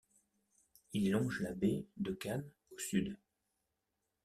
Il longe la baie de Cannes au sud.